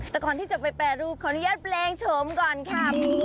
แต่ก่อนที่จะไปแปรรูปขออนุญาตแปลงโฉมก่อนค่ะ